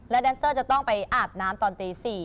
แดนเซอร์จะต้องไปอาบน้ำตอนตี๔